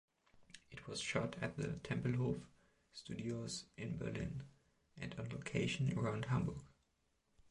It was shot at the Tempelhof Studios in Berlin and on location around Hamburg.